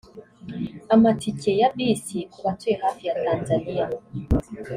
amatike ya bisi ku batuye hafi ya Tanzania